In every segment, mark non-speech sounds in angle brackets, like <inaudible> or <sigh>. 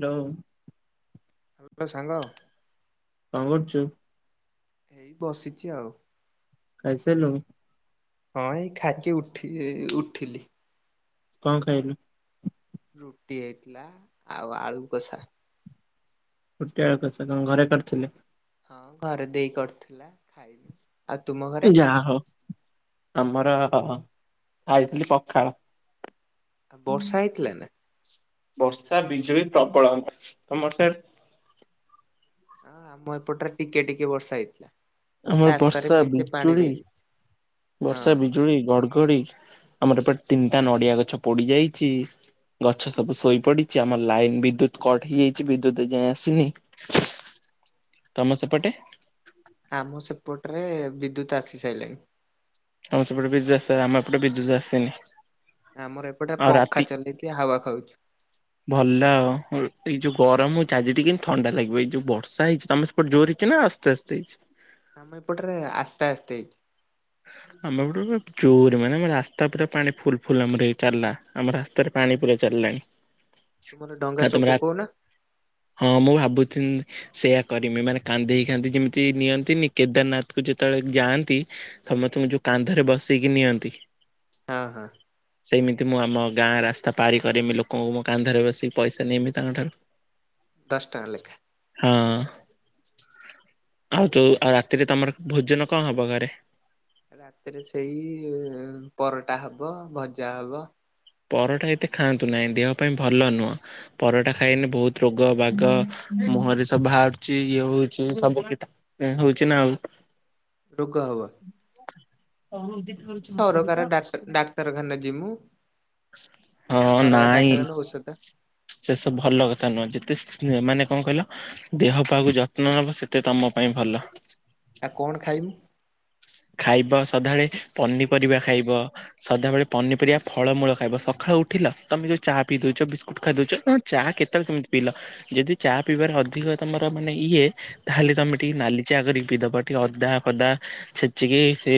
ଲୋ। Hello ସାଙ୍ଗ। କଁ କରୁଚୁ? ଏଇ ବସିଛି ଆଉ। ଖାଇ ସାରଲୁଣି? ହଁ ଏଇ ଖାଇକି ଉଠି ଏ-ଉଠିଲି। କଁ ଖାଇଲୁ? ରୁଟି ହେଇଥିଲା ଆଉ ଆଳୁ କଷା। ରୁଟି ଆଳୁ କଷା କଣ ଘରେ କରିଥିଲେ? ହଁ ଘରେ ଦେଇ କରିଥିଲା ଖାଇନୁ, ଆଉ ତୁମ ଘରେ? ଯାହା ହଉ ଆମର ଖାଇଥିଲି ପଖାଳ। ଆ ବର୍ଷା ହେଇଥିଲା ନା। ବର୍ଷା ବିଜୁଳି ପ୍ରବଳ ତମର ସାଡ। ହଁ ଆମ ଏପଟରେ ଟିକେ ଟିକେ ବର୍ଷା ହେଇଥିଲା। ଆମର ରାସ୍ତାରେ ବର୍ଷା, ମେଞ୍ଚେ ପାଣି ବିଜୁଳି, ରହିଯାଇଛି। ହଁ ବର୍ଷା, ବିଜୁଳି, ଘଡଗ କୋଡି ଆମର ଏପଟେ ତିନଟା ନଡିଆ ଗଛ ପୋଡି ଯାଇଛି। ଗଛ ସବୁ ଶୋଇ ପଡିଚି ଆମର ଲାଇନ ବିଦ୍ୟୁତ କଟ୍ ହେଇଯାଇଛି ବିଦ୍ୟୁତ ଏ ଯାଏଁ ଆସିନି। ତମ ସେପଟେ? ଆମ ସେପଟରେ ବିଦ୍ୟୁତ ଆସି ସାଇଲାଣି। ତମ ସେପଟେ ବିଦ୍ୟୁତ୍ ଆସି ସାରଲାଣି ଆମ ଏପଟେ ବିଦ୍ୟୁତ୍ ଆସିନି। ଆମର ଏପଟେ ଆଉ ପଙ୍ଖା ରାତିକି ଚଲେଇକି ହାୱା ଖାଉଛୁ। ଭଲ ଆଉ ରୁଟି ଏଇ ଯୋଉ ଗରମ। ଆଜି ଟିକ ଥଣ୍ଡା ଲାଗିବ ଏଇ ଯୋଉ ବର୍ଷା ହେଇଚି, ତମେ ସେପଟେ ଜୋରେ ହେଇଚି ନା ଆସ୍ତେ ଆସ୍ତେ ହେଇଚି? ଆମେ ଏପଟରେ ଆସ୍ତେ ଆସ୍ତେ ହେଇଚି। ଆମ ଏପଟେ ପୁରା ଜୋରେ ମାନେ ଆମ ରାସ୍ତା ପୁରା ପାଣି ଫୁଲ୍ ଫୁଲ୍ ଆମର ହେଇ ଚାଲଲା ଆମ ରାସ୍ତାରେ ପା ପାଣି ପୁରା ଚାଲଲାଣି, ତୁମର ଡଙ୍ଗା ଆଉ ଚୋଉ ତମେ ରା ପକଉନା ହଁ ମୁଁ ଭାବୁଥିଲି। ସେଇଆ କରିମି ମାନେ କାନ୍ଦେଇ କାନ୍ଦି ଯେମିତି ନିଅନ୍ତିନି କେଦାରନାଥକୁ ଯେତେବେଳେ ଯାଆନ୍ତି। ସମସ୍ତଙ୍କୁ ଯୋଉ କାନ୍ଧରେ ବସେଇକି ନିଅନ୍ତି। ହଁ ହଁ। ସେମିତି ମୁଁ ଆମ ଗାଁ ରାସ୍ତା ପାରି କରିମି ଲୋକଙ୍କୁ ମୋ କାନ୍ଧରେ ବସିକି ପଇସା ନେମି ତାଙ୍କଠାରୁ। ଦଶ ଟଙ୍କା ଲେଖା। ହଁ ଆଉ ତୁ ଆଉ ରାତିରେ ତମର ଭୋଜନ କଁ ହବ ଘରେ? ରାତିରେ ସେଇ ପରଟା ହବ, ଭଜା ହବ। ପରଟା ଏତେ ଖାଆନ୍ତୁ ନାହିଁ ଦେହ ପାଇଁ ଭଲ ନୁହଁ ପରଟା ଖାଇଲେ ବହୁତ ରୋଗ ବାଗ। ମୁହଁରେ ସବୁ ବାହାରୁଚି ଇଏ ହଉଚି ସବୁ କି ତା ପାଇଁ ହଉଚି ନା ଆଉ। ରୋଗ ହବ ସରକାର ଡାକ୍ ଡାକ୍ତରଖାନା ଯିମୁ। ହଁ ସରକାର ନାଇଁ ଡାକ୍ତରଖାନା ଔଷଧ ସେ ସବୁ ଭଲ କଥା ନୁହଁ, ଯେତେ ତ ଏମାନେ କଣ କହିଲ ଦେହ ପାହାକୁ ଯତ୍ନ ନବ ସେତେ ତୋମ ପାଇଁ ଭଲ। ଆଉ କଣ ଖାଇବୁ? ଖାଇବ ସଧାବେଳେ ପନିପରିବା ଖାଇବ। ସଦାବେଳେ ପନିପରିବା, ଫଳମୂଳ ଖାଇବ। ସଖାଳ ତ ଉଠିଲ ତୋମେ ଯୋଉ ଚା ପିଇ ଦଉଛ। ବିସ୍କୁଟ୍ ଖାଇ ଦଉଛ। ହଁ ଚା କେତେବେଳେ ସେମିତି ପିଇଲ। ଯଦି ଚା ପିଇବାରେ ଅ ଅଧିକ ତୋମର ମାନେ ଇଏ ତାହେଲେ ତୋମେ ଟିକେ ନାଲି ଚା କରିକି ପିଇଦବ। ଟିକେ ଅଦା ଫଦା ଛେଚିକି ସେ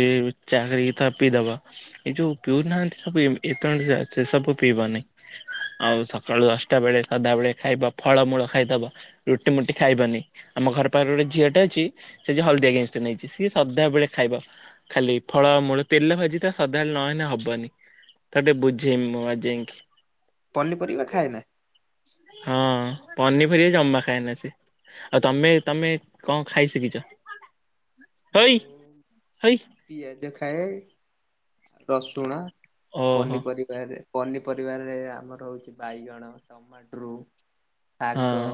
ଚାହା କରିକି ତ ପିଇଦବ। ଏ ଯୋଉ ପିଉନାହାନ୍ତି ସବୁ ଏ ଏତ ଚା ସେ ସବୁ ପିଇବନି। ଆଉ ସକାଳୁ ଦଶଟା ବେଳେ ସଦାବେେଳେ ଖାଇବ ଫଳମୂଳ ଖାଇଦବ। ରୁଟି ମୁୁଟି ଖାଇବନି ଆମ ଘର ପାଖରେ ଗୋଟେ ଝିଅ ଟେ ଅଛି ସେ ଯେ ହଳଦିଆ ଗେଁସ ଟେ ନେଇଚି ସିଏ ସଦାବେଳେ ଖାଇବ ଖାଲି ଫଳମୂଳ ତେଲ ଭାଜି ତ ସଦାବେଳେ ନହେନେ ହବନି। ତାକୁ ଟିକେ ବୁଝେଇମି ମୁଁ ଆଜି ଯାଇଁକି। ପନିପରିବା ଖାଏ? ନା ହଁ ପନିପରିବା ଜମା ଖାଏନା ସେ। ଆଉ ତୋମେ ତୋମେ କଣ ଖାଇ ଶିକିିଚ? ହ ହଇ, ହଇ। ପିଆଜ ଖାଏ। ରସୁଣ ଓହୋ ପନିପରିବା ହେରେ ପନିପରିବାରେ ଆମର ହଉଚି ବାଇଗଣ, ଟମାଟ୍ରୁ, ହଁ ଶାଗ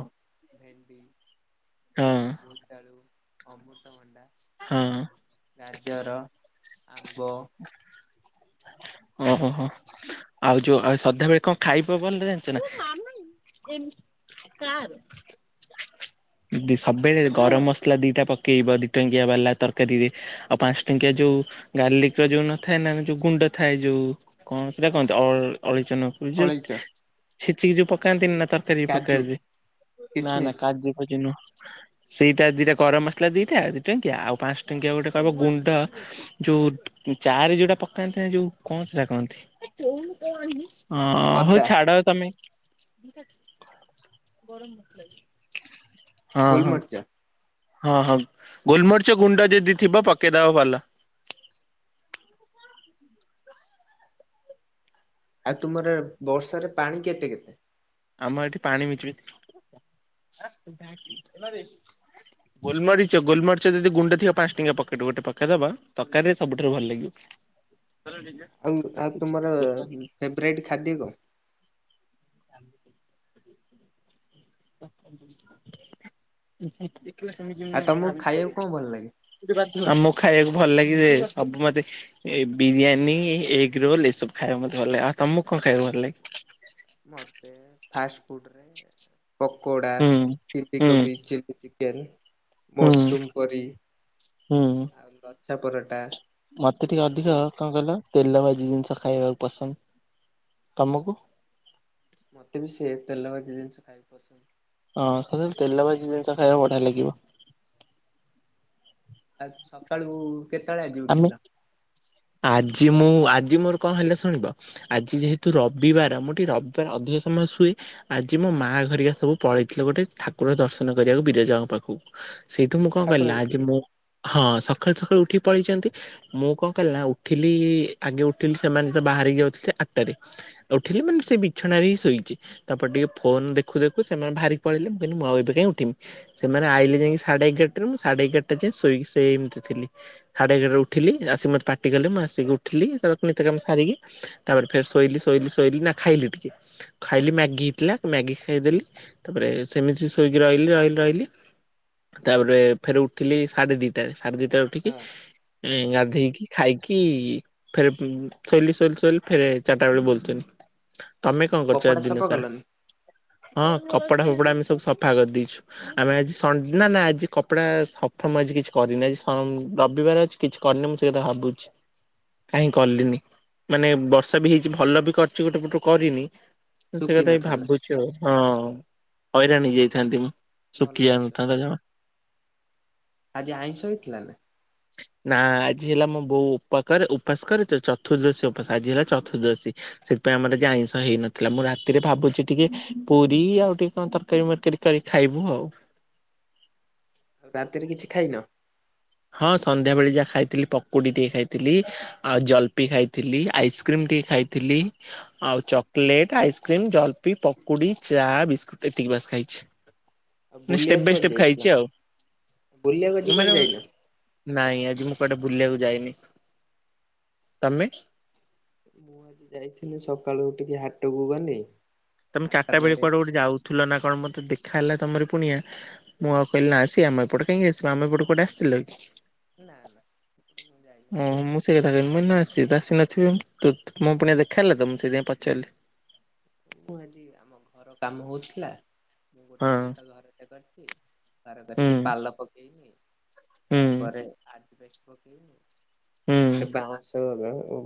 ଭେଣ୍ଡି ହଁ ବୋଇତାଳୁ, ଅମୃତଭଣ୍ଡା, ହଁ ଗାଜର ଆମ୍ବ ଓ ହୋ ହୋ ଆଉ ଯୋଉ ଆଉ ସଧାବେେଳେ କଣ ଖାଇବ ଭଲ ଟା ଜାଣିଚ ନା? ଏମ୍ କାର ଦି ସବୁବେଳେ ଗରମ ମସଲା ଦିଟା ପକେଇବ। ଦି ଟଙ୍କିଆ ବାଲା ତରକାରୀରେ। ଆଉ ପାନ୍ସ ଟଙ୍କିଆ ଯୋଉ ଗାର୍ଲିକ ର ଯୋଉ ନଥାଏ ନା ଆମେ ଯୋଉ ଗୁଣ୍ଡ ଥାଏ ଯୋଉ କଣ ସେଟା କହନ୍ତି ଅ, ଅଳେଇଚ ନା କି ଯେଟ ଅଳେଇଚ ଛେଚିକି ଯୋଉ ପକାନ୍ତିନ ନା ତରକାରୀ କାଜୁ ପକାନ୍ତି ନା ନା କିସମିସ୍ କାଜୁ ଫାଜୁ ନୁହଁ। ସେଇ ଟା ଦିଟା ଗରମ ମସଲା ଦିଟା ଦି ଟଙ୍କିଆ। ଆଉ ପାନ୍ସ ଟଙ୍କିଆ ଗୋଟେ କହିବ ଗୁଣ୍ଡ ଯୋଉ ଉଁ, ଚା ଆରେ ଯୋଉଟା ପକାନ୍ତି ନା ଯୋଉ କଣ ସେଟା କହନ୍ତି? ହଁ ହଉ ଅଦା ଛାଡ ତୋମେ। ନିହାତି ଗରମ ନଥିଲା <unintelligible> ଗୁଲମରଚ। ହଁ, ହଁ ଗୋଲମରିଚ ଗୁଣ୍ଡ ଯଦି ଥିବ ପକେଇଦବ ଭଲ। <inaudible> ଆଉ ତୁମର ବର୍ଷା ରେ ପାଣି କେତେ କେତେ? ଆମ ଏଠି ପାଣି ମିଚୁଳି <unintelligible> ଗୋଲମରିଚ ଗୋଲମରିଚ ଯଦି ଗୁଣ୍ଡ ଥିବ ପାନ୍ସ ଟଙ୍କିଆ ପକେଟ ଗୋଟେ ପକେଇଦବ ତରକାରୀରେ ସବୁଠାରୁ ଭଲ ଲାଗିବ। <inaudible> ଆଉ ଆଉ ତୁମର ଫେବରାଇଟ ଖାଦ୍ୟ କଣ? <inaudible> କିବା ସେମିତି ଆଉ ନୁହେଁ ତମକୁ ଖାଇବାକୁ କଣ ଭଲ ଲାଗେ? <unintelligible> ଆମକୁ ଖାଇବାକୁ ଭଲ ଲାଗେ ଯେ ସବୁ ମୋତେ ଏ ବିରିୟାନୀ, ଏଗ ରୋଲ୍, ଏସବୁ ଖାଇବା ମୋତେ ଭଲ ଲାଗେ। ଆଉ ତୋମକୁ କଣ ଖାଇବାକୁ ଭଲ ଲାଗେ? ମୋତେ ଫାଷ୍ଟ ଫୁଡ୍ ରେ ପକୋଡ଼ା, ହୁଁ ଚିଲ୍ଲୀ ହୁଁ କୋବି, ଚିଲ୍ଲି ଚିକେନ୍ ହୁଁ ମସରୁମ୍ କରି ଆଉ ଲଛ୍ଛା ପରାଟା। ମୋତେ ଟିକେ ଅଧିକ କଣ କହିଲ ତେଲ ଭାଜି ଜିନିଷ ଖାଇବାକୁ ପସନ୍ଦ। ତୋମକୁ? ମୋତେ ବି ସେ ତେଲ ଭାଜି ଜିନିଷ ଖାଇବା ପସନ୍ଦ। ହଁ ଖାଲି ତେଲ ଭାଜି ଜିନିଷ ଖାଇବାକୁ ବଢିଆ ଲାଗିବ। ଆ, ସକାଳୁ କେତେବେଳେ ଆଜି ଆମେ ଉଠିଲ? ଆଜି ମୁଁ ଆଜି ମୋର କଣ ହେଲା ଶୁଣିବ ଆଜି ଯେହେତୁ ରବିବାର ମୁଁ ଟିକେ ରବିବାର ଅଧିକ ସମୟ ଶୁଏ ଆଜି ମୋ ମା ଘରିକା ସବୁ ପଳେଇଥିଲେ ଗୋଟେ ଠାକୁର ଦର୍ଶନ କରିବାକୁ ବିରଜାଙ୍କ ପାଖକୁ ସେଇଠୁ ମୁଁ କଣ କଲି ଠାକୁର ନା ଆଜି କତିକି ମୁଁ ହଁ ସକାଳୁ ସକାଳୁ ଉଠି ପଳେଇଛନ୍ତି ମୁଁ କଣ କଲି ନା ଉଠିଲି ଆଗେ ଉଠିଲି ସେମାନେ ତ ବାହାରିକି ଯାଉଥିଲେ ଆଟଟାରେ ଉଠିଲି ମାନେ ସେ ବିଛଣାରେ ହିଁ ଶୋଇଛି ତାପରେ ଟିକେ ଫୋନ ଦେଖୁ ଦେଖୁ ସେମାନେ ବାହରିକି ପଳେଇଲେ ମୁଁ କହିଲି କଁ ଉଠମି ସେମାନେ ଆଇଲେ ଯାଇକି ସାଢେ ଏଗାରଟାରେ ମୁଁ ସାଢେ ଏଗାରଟା ଯାଇ ଶୋଇକି ସେମିତି ଥିଲି। ସାଡେ ଏଗାରଟା ରେ ଉଠିଲି ଆସିି ମଟେ ପାଟି କଲେ ମୁଁ ଆସିକି ଉଠିଲି କାମ ସାରିକି ତାପରେ ଫେର ଶୋଇଲି ଶୋଇଲି ଶୋଇଲି ନା ଖାଇଲି ଟିକେ ଖାଇଲି ମ୍ୟାଗି ହେଇଥିଲା ମେଗି ଖାଇଦଲି ତାପରେ ସେମିତି ଶୋଇ ପ ରହିଲି ରହିଲି ରହିଲି ତାପରେ ଫେରେ ଉଠିଲି ସାଢେ ଦିଟାରେ ସାଢେ ଦିଟା ଉଠିକି ଉଁ ହଁ ହଁ ଗାଧେଇକି ଖାଇକି କି ଫେରେ ଶୋଇିଲ ଶୋଇଲି ଶୋଇଲି ଫେରେ ଚାରିଟା ବେଳେ ବୁଲୁଥିଲି। ତମେ କଣ ଆଉ କରୁଛ କପଡା ଦିନ ସଫା ସାରା? କଲନି ହଁ କପଡା ଫପଡା ଆମେ ସବୁ ସଫା କରିଦେଇଛୁ ଆମେ ଆଜି ସନ୍ଡେ ନା ନା ଆଜି କପଡା ସଫା ମା କିଛି କରିନି ଆଜି ରବିବାର ଅଛି କିଛି କରିନି ମୁଁ ସେ କଥା ଭାବୁଛି। କାହିଁ କଲିନି ମାନେ ବର୍ଷା ବି ହେଇଛି ଭଲ ବି କରିଛି ଗୋଟେ ପଟ କରିନି ସେ ଶୁଖି କଥା ବି ନଥିଲା ଭାବୁଛୁ ଆଉ ହଁ ହଇରାଣ ହେଇଯାଇଥାନ୍ତି ମୁଁ ଶୁଖି ଭଲ କରିଛ ଯାଇନଥାନ୍ତା ଜମା। ଆଜି ଆଇଁଷ ହେଇ ଥିଲା ନା? ନା ଆଜି ହେଲା ମୁଁ ବୋଉ ଉପା କରେ ଉପାସ କରେ ତ ଚତୁର୍ଦ୍ଦଶୀ ଉପାସ ଆଜି ହେଲା ଚତୁର୍ଦ୍ଦଶୀ ସେଥିପାଇଁ ଆମର ଆଜି ଆଇଁସ ହେଇନଥିଲା ମୁଁ ରାତିରେ ଭାବୁଛି ଟିକେ ପୁରୀ ଆଉ ଟିକେ କଣ ତରକାରୀ ମରକାରୀ ଖାଇବୁ ଆଉ। ଆଉ ରାତିରେ କିଛି ଖାଇନ? ହଁ ସନ୍ଧ୍ୟାବେେଳେ ଯାହା ଖାଇଥିଲି ପକୁଡି ଟିକେ ଖାଇଥିଲି ଆଉ ଜଲପି ଖାଇଥିଲି ଆଇସ୍କ୍ରିମ ଖାଇଥିଲି ଆଉ ଚକଲେଟ ଆଇସ୍କ୍ରିମ୍ ଜଲପି ପକୁଡି ଚା ବିସ୍କୁଟ ଏତିକି ବାସ ଖାଇଛି ଆଉ ନାଇଁ ବୁଲିବାକୁ ସ୍ଟେପ ବାୟ କୁଆଡେ ସ୍ଟେପ ଯାଇଥିଲ? ଖାଇଛି ଆଉ ବୁଲିବାକୁ ଆଜି କୁଆଡେ ମାନେ ଯାଇନ? ନାଇଁ ଆଜି ମୁଁ କୁଆଡେ ବୁଲିବାକୁ ଯାଇନି ତମେ? ମୁଁ ଆଜି ଯାଇଥିଲି ସକାଳୁ ଟିକେ ହାଟକୁ ଗନି ତମେ ଚାରିଟା ବେଳେ କୁଆଡେ ଗୋଟେ ଯାଉଥିଲ ନା କଣ ମତେ ଦେଖା ହେଲା ତମର ପୁଣିଆ ମୁଁ ଆଉ କହିଲି ନା ସେ ଆମ ଏପଟ କାହିଁକି ଆସିବ ଆମ ଏପଟେ କୁଆଡେ ଆସିଥିଲ କି? ନା ନା ସେ ମୁ ଯାଇନି। <unintelligible> ଥା ଆସି ନଥିବେ ମୁ ତ ମୋ ପୁଣିଆ <unintelligible> ଦେଖାହେଲେ ତ ମୁଁ ସେଇଥିପାଇଁ ପଚାରିଲି। ମୁଁ ଆଜି ଆମ ଘର କାମ ହଉଥିଲା ମୁଁ ଗୋଟେ ହଁ ଛୋଟ ଘରଟେ କରି ଥରେ ହୁଁ କରିକି ପାଲ ପକେଇନି ହୁଁ ତାପରେ ଆଜବେଷ୍ଟସ <unintelligible> ହୁଁ ତାପରେ ବାସ।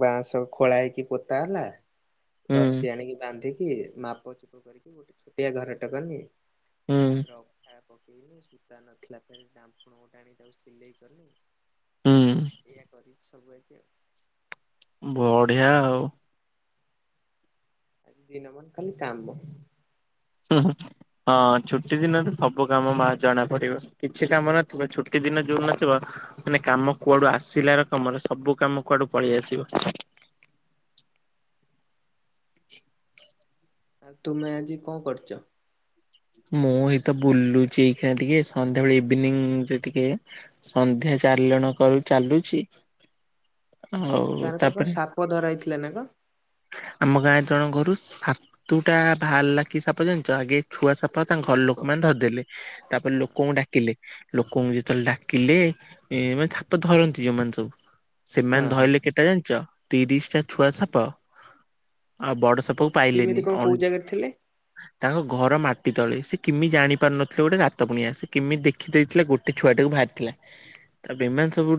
ବାଁ ସବ ଖୋଳା ହେଇକି ପୋତା ହେଲା ହୁଁ ରସି ଆଣିକି ବାନ୍ଧି ମାପଚୁପ କରିକି ଗୋଟେ ଛୋଟିଆ ଘର ଟାକନି ହୁଁ। ତାପରେ ଅଖା ସେ ସୂତା ନଥିଲା ଫେରେ ଢାଫଣ ଗୋଟେ ଆଣି ତାକୁ ସିଲେଇ କଲି। ହୁଁ। <unintelligible> ସବ ଗତଏ। ବଢିଆ ଆଉ। ଆଜି ଦିନ ମନ ଖାଲି କାମ। ହୁଁ ହଁ। ହଁ ଛୁଟି ଦିନରେ ସବୁ କାମ ବା ଜଣା ପଡିବ କିଛି କାମ ନଥିବ ଛୁଟି ଦିନ ଯୋଉ ନଥିବ। ମାନେ କାମ କୁଆଡୁ ଆସିଲାର କାମରେ ସବୁ କାମ କୁଆଡୁ ପଳେଇ ଆସିବ। ଆଉ ତୁମେ ଆଜି କଣ କରୁଛ? ମୁଁ ଏଇତ ବୁଲୁଛି ଏଇ ଟିକେ ସନ୍ଧ୍ୟାବେଳେ ଇଭିନିଂରେ ଟିକେ ସନ୍ଧ୍ୟା <unintelligible> ଚାରି ଜଣ କରୁ ଚାଲୁଛି। ଆଉ ତୁମ ହଉ ଗାଁରେ ପା କଣ ତାପରେ ସାପ ଧରା ହେଇଥିଲା ନା କଣ? ଆମ ଗାଁରେ ଜଣ ଘରୁ ଛାତୁ ଟା ବାହାର କି ସାପ ଜାଣୀଛ ଆଗେ ଛୁଆ ସଫା ତାଙ୍କ କୋଉ ଘର ସାପ ଲୋକମାନେ ଧରିଦେଲେ ତାପରେ ହଁ। ଲୋକଙ୍କୁ ଡାକିଲେ ଲୋକଙ୍କୁ ଯଦି ଡାକିଲେ ଏ ମାନେ ଛପ ଧରନ୍ତି ଯୋଉମାନେ ସବୁ ସେମାନେ ହଁ ହଁ ଧରିଲେ କେଟା ଜାଣିଛ। ତିରିଶ ଟା ଛୁଆ ସାପ। ଆଉ ବଡ କଣ ସାପକୁ କେମିତି ପାଇଲିନି। କଣ କୋଉ ଜାଗାରେ ଥିଲେ? ତାଙ୍କ ଘର ମାଟି ତଳେ ସେ କେମିତି ଜାଣି ପାରୁନଥିଲେ ଗୋଟେ ଦାତ ପୁଣିଆ ସେମିତି ଦେଖିଦେଇଥିଲେ ଗୋଟେ ଛୁଆଟାକୁ ଭ। ବାହାରିଥିଲା ତାପରେ ଏମାନେ ସବୁ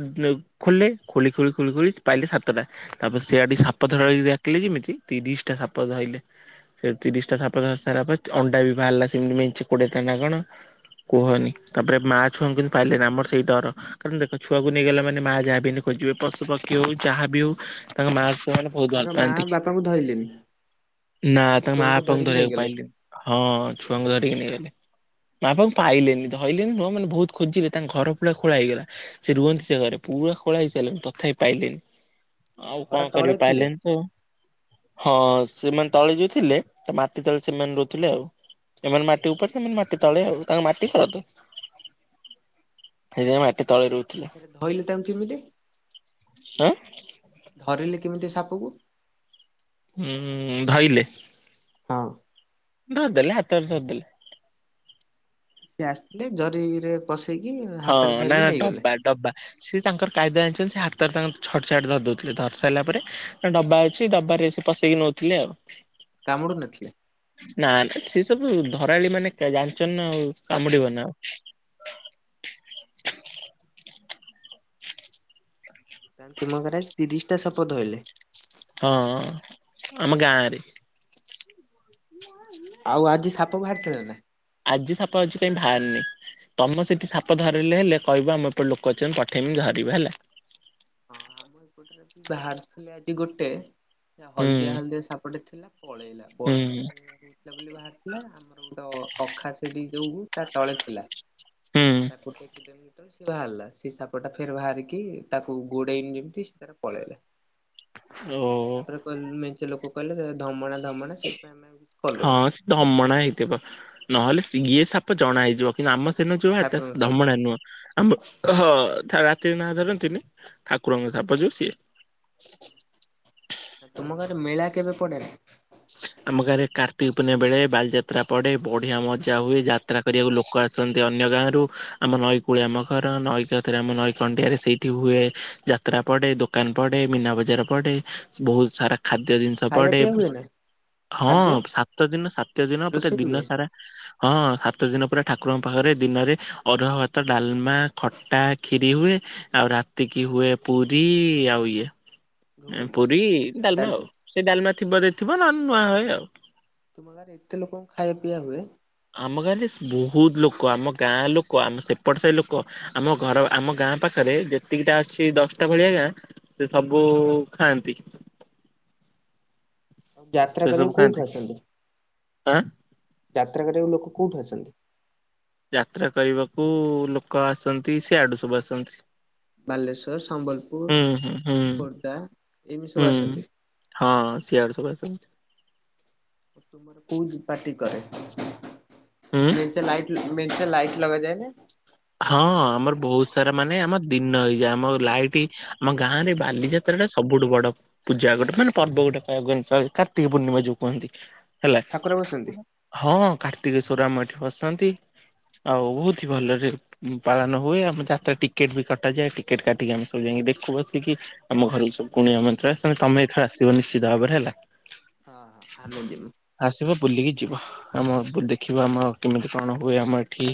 ଖୋଲେ। ଖୋଳି ଖୋଳି ଖୋଳି ଖୋଳି ପାଇଲି ସାତଟା ତାପରେ ସେଆଡି ଟି ହଁ ସାପ ଧରାଳିକି ଡାକିଲେ ଯେମିତି। ତିରିଶ ଟା ସାପ ଧଇଲେ ସେ ତିରିଶ ଟା ସାପ ଧରି ସାରିଲା ପରେ ଅଣ୍ଡା ବି ବାହାରିଲା ସେମିତି ମେଞ୍ଚେ କୋଡେ। ତାନାଁ କଣ। କୁହନି ତାପରେ ମା ଛୁଆଙ୍କୁ କିନ୍ତୁ ପାଇଲେନି ଆମର ସେଇ ଡର କାରଣ ଦେଖ ଛୁଆକୁ ନେଇଗଲା ମାନେ ମା ଯାହା ବିହେଲେ। ଖୋଜିବେ ପଶୁ ପକ୍ଷୀ ହଉ ଯାହାବି ହଉ ତାଙ୍କ ମାକୁ ସେମାନେ ବହୁତ ଭଲ ତାଙ୍କ ମା ପାଆନ୍ତି। ବାପାଙ୍କୁ ଧଇଲେନି ନା ଖାଲି ତାଙ୍କ ମା ଛୁଆଙ୍କୁ ବାପାଙ୍କୁ ଧରିକି ଧରିବାକୁ ନେଇଗଲେ। ପାଇଲି ହଁ ଛୁଆଙ୍କୁ ଧରିକି ନେଇଗଲେ। ବାପାଙ୍କୁ ପାଇଲେନି ଧଇିଲେନି ନୁହଁ ମାନେ ବହୁତ ଖୋଜିଲେ ତାଙ୍କ ଘର ପୁରା ଖୋଳା ହେଇଗଲା ସେ ରୁହନ୍ତି ସେ ଘରେ। ପୁରା ଖୋଳା ହେଇସାରିଲାଣି ତଥାପି ପାଇଲିନି ଆଉ ଘର କଣ ତଳେ କରିବେ ଥିଲେ ପାଇଲେନି ତ ଆଉ। ହଁ ସେମାନେ ତାଡି ଦେଇଥିଲେ ମାଟି ତଳେ ସେମାନେ ରହୁଥିଲେ ଆଉ। ଏମାନେ ମାଟି ଉପରେ ସେମାନେ ମାଟି ତଳେଆଉ ତାଙ୍କୁ ମାଟି କରନ୍ତୁ। ସେ ମାଟି ତଳେ ରହୁଛି। ସେ ଧଇଲେ ତାଙ୍କୁ କେମିତି। ଆଁ। ଧରିଲେ କେମିତି ସାପକୁ। ହୁଁ ଧଇଲେ। ହଁ। ଧରଦେଲେ ହାତରେ ଧରିଦେଲେ। ସିଏ ଆସିଥିଲେ ଜରିରେ ପସେ। ହଁ ନା ଡବା ଡବା ସେ ତାଙ୍କର କାଇଦା ଜାଣିଛନ୍ତି। ସେ ହାତରେ ତାଙ୍କୁ ଛଟ ଛାଟ ଧରି ଦଉଥିଲେ ଧରି ସାରିଲା ପରେ ତା ଡବା ଅଛି ଡବାରେ ସେ ପସେଇକି ନଉଥିଲେ ଆଉ। କାମଡ଼ୁ ନଥିଲେ। ନା ସେ ସବୁ ଧରାଳି ମାନେ ଜାଣିଛନି ନାଁ ଆଉ କାମୁଡିବନା ଆଉ। ତାହେଲେ ତୁମ ଘରେ ଆଜି ତିରିଶ ଟା ସାପ ଧଇଲେ। ହଁ ଆମ ଗାଁରେ। ତାକୁ ହାରିଥିଲେ ନାଁ। ଆଜି ସାପ ଅଛି କାଇହିଁ ବାହାରନି ତମ ସେଠି ସାପ ଧରିଲେ ହେଲେ କହିବ ଆମ ଏପଟେ ଲୋକ ଅଛନ୍ତି ପଠେଇମି ଧର। ପିବା ହେଲା ହ ହଁ ଆମ ଏପଟରେ ବାହାର ଥିଲେ ଆଜି ଗୋଟେ ହୁଁ ହଳଦିଆ ହଳଦିଆ ସାପଟେ ଥିଲା। ପଳେଇଲା ହୁଁ ବର୍ଷାରେ ରହୁଥିଲା ବୋଲି ବାହାରିଥିଲା ତ ଅଖା ସେଇଠି ଯୋଗକୁ ତା ତଳେ ଥିଲା ହୁଁ ତାକୁ ଟେକି ଦେମି ସି ବାହାରିଲା ସେ ସାପଟା ଫେରେ ବାହାରିକି ତାକୁ ଗୋଡେଇନି ଯେମିତି ସେ ତାର ପଳେଇଲା। ଓ ତାପରେ କହି ମେଞ୍ଚେ ଲୋକ କହିଲେ ସେ ଧମଣା ଧମଣା ସେଇଥିପାଇଁ ଆମେ ଆଉ କିଛି ହଁ କଲୁନୁ ସେ ଦମଣା ହେଇଥିବ ନହେଲେ ଇଏ ସାପ ଜଣା ହେଇଯିବ କିନ୍ତୁ ଆମ ସେଇନ ଯୋଉତ ଠାକୁରଙ୍କ ସାପ ଧମଣା ନୁହଁ ଆମ ହଁ ରାତିରେ ନାଁ ଧରନ୍ତିନି ଠାକୁରଙ୍କ ସାପ ଯଉ ସିଏ। <inaudible> ତୁମ ଗାଁରେ ମେଳା କେବେ ପଡେରା। ଆମ ଗାଁରେ କାର୍ତ୍ତିକ ପୂର୍ଣ୍ଣିମା ବେଳେ ବାଲିଯାତ୍ରା ପଡେ ବଢିଆ ମଜା ହୁଏ ଯାତ୍ରା କରିବାକୁ ଲୋକ ଆସନ୍ତି ଅନ୍ୟ ଗାଁ ରରୁ ଆମ ନଈ କୂଳି ଆମ ଘର ନଈକରେ ଆମ ନଈକଣ୍ଡିଆରେ ସେଇଠି ହୁଏ ଯାତ୍ରା ପଡେ ଦୋକାନ ପଡେ ମୀନା ବଜାର ପଡେ ବହୁତ ସାରା ଖାଦ୍ୟ ଜିନିଷ ଖାଇବା ପଡେ ପିଇବା ହୁଏ ନା ହଁ ଖାଦ୍ୟ ସାତ ଦିନ ସାତ ଦିନ ପୁର ରୋଷେଇ ଦିନ ହୁଏ ସାରା ହଁ ସାତ ଦିନ ପୁରା ଠାକୁରଙ୍କ ପାଖରେ ଦିନରେ ଅରୁଆ ଭାତ ଡାଲମା ଖଟା କ୍ଷିରି ହୁଏ ଆଉ ରାତିକି ହୁଏ ପୁରୀ ଆଉ ଇଏ ଘୁଗୁନି ପୁରୀ ନା ଡ଼ାଲମା ଆଉ ଡାଲି ସେ ଡ଼ାଲମା ଥିବ ଯଦି ଥିବ ନହଲେ ନୂଆ ହୁଏ ଆଉ। ତୁମ ଘରେ ଏତେ ଲୋକଙ୍କୁ ଖାଇବା ପିଇବା ହୁଏ? ଆମ ଗାଁରେ ବହୁତ୍ ଲୋକ ଆମ ଗାଁ ଲୋକ ଆମ ସେପଟ ସାହି ଲୋକ ଆମ ଘର ଆମ ଗାଁ। ଗାଁ ପାଖରେ ଯେତିକିଟା ଅଛି ଦଶଟା ଭଳିଆ ଗାଁ ସେ ସବୁ ଖାଆନ୍ତି। ଯାତ୍ରା ସେ ସବୁ କରିବାକୁ କୋଉଠୁ ଖାଆନ୍ତି ଆସନ୍ତି ଆଁ ଯାତ୍ରା କରିବାକୁ ଲୋକ? କୋଉଠୁ ଆସନ୍ତି? ଯାତ୍ରା କରିବାକୁ ଲୋକ ଆସନ୍ତି ସିଆଡୁ଼ ସବୁ ଆସନ୍ତି। ବାଲେଶ୍ଵର, ସମ୍ବଲପୁର, ହୁଁ ହୁଁ ହୁଁ ଖୋର୍ଦ୍ଧା ଏମିତି ହୁଁ ସବୁ ଆସନ୍ତି। ହଁ ସିଆଡୁ ସବୁ ଆସନ୍ତି। କୋଉ ପାର୍ଟି କରେ ହୁଁ। <unintelligible> ଲାଇଟ୍ ମେଞ୍ଚେ ଲାଇଟ୍ ଲଗାଯାଏନି। ହଁ ଆମର ବହୁତ୍ ସାରା ମାନେ ଆମ ଦିନ ହେଇଯାଏ ଆମ ଲାଇଟ୍ ଆମ ଗାଁ ରେ ବାଲିଯାତ୍ରା ସେଟା ସବୁଠୁ ବଡ଼ ପୂଜା ଗୋଟେ ମାନେ ପର୍ବ ଗୋଟେ କଣ କୁହନ୍ତି କାର୍ତ୍ତିକ ପୂର୍ଣ୍ଣିମା ଯୋଉ କୁହନ୍ତି। ହେଲା ଠାକୁର ବସନ୍ତି। ହଁ କା ଟିକେ ସୁରାମ ଏଠି ବସନ୍ତି ଆଉ ବହୁତ୍ <unintelligible> ଭଲରେ ପାଳନ ହୁଏ ଆମ ଯାତ୍ରା ଟିକେଟ୍ ବି କଟାଯାଏ ଟିକେଟ୍ କାଟିକି ଆମେ ସବୁ ଯାଇକି ଦେଖୁ ବସିକି ଆମ ଘର <unintelligible> ତମେ ଏଥରେ ଆସିବ ନିଶ୍ଚିତ ଭାବରେ ହେଲା। ହଁ ହଁ ଆମେ ଯିବୁ। ଆସିବ ବୁଲିକି ଯିବ ଆମ ଦେଖିବ ଆମ କେମିତି କଣ ହୁଏ ଆମ ଆଉ ଏଠି।